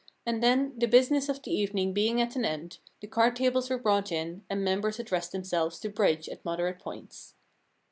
And then, the business of the evening being at an end, the card tables were brought in, and members addressed themselves to bridge at moderate points.